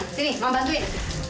nah sini mama bantuin